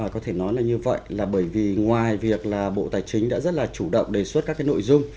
có thể nói là như vậy là bởi vì ngoài việc là bộ tài chính đã rất là chủ động đề xuất các cái nội dung